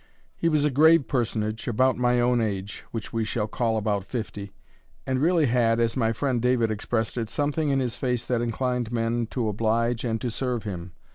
He was a grave personage, about my own age, (which we shall call about fifty,) and really had, as my friend David expressed it, something in his face that inclined men to oblige and to serve him.